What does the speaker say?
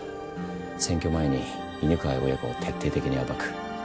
選挙前に犬飼親子を徹底的に暴く。